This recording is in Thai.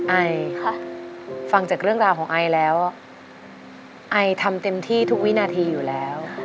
ไอฟังจากเรื่องราวของไอแล้วไอทำเต็มที่ทุกวินาทีอยู่แล้ว